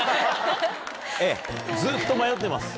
ずっと迷ってます。